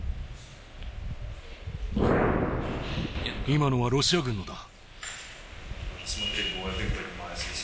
今のはロシア軍のだ。